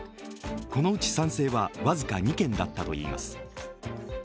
このうち、賛成は僅か２件だったといいます。